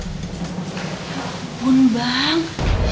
ya ampun bang